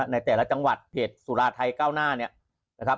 ในแต่ละจังหวัดเพจสุราไทยเก้าหน้า